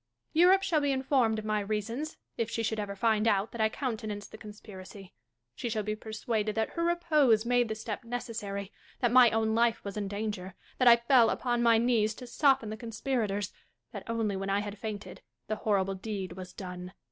Catharine. Europe shall be informed of my reasons, if she should ever find out that I countenanced the con spiracy. She shall be persuaded that her repose made the step necessary ; that my own life was in danger ; that I fell upon my knees to soften the conspirators ; that, only when I had fainted, the horrible deed was done.